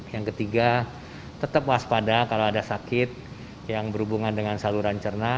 yang ketiga tetap waspada kalau ada sakit yang berhubungan dengan saluran cerna